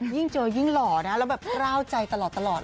ยิ่งเจอยิ่งหรอแล้วใกล้กร่าวใจตลอด